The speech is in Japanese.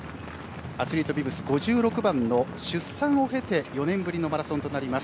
アスリートビブス５６番の出産を経て４年ぶりのマラソンとなります